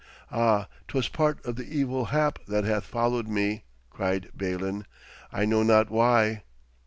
'Ah, 'twas part of the evil hap that hath followed me,' cried Balin. 'I know not why.'